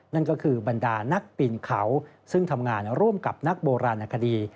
นั่นก็คือบรรดานักบินเขาซึ่งทำงานร่วมกับนักโบราณคดี